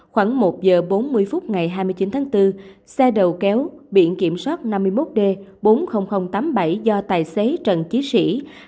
khoảng một giờ bốn mươi phút ngày hai mươi chín tháng bốn xe đầu kéo biển kiểm soát năm mươi một d bốn mươi nghìn tám mươi bảy do tài xế trần chí sĩ